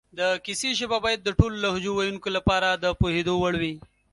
د کیسې ژبه باید د ټولو لهجو ویونکو لپاره د پوهېدو وړ وي